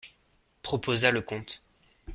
Proposa le comte.